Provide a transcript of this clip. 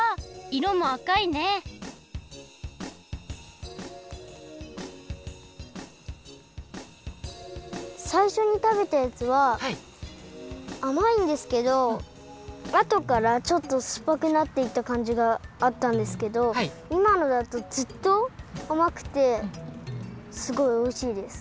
いろもあかいねさいしょにたべたやつはあまいんですけどあとからちょっとすっぱくなっていったかんじがあったんですけどいまのだとずっとあまくてすごいおいしいです。